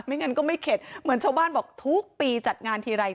งั้นก็ไม่เข็ดเหมือนชาวบ้านบอกทุกปีจัดงานทีไร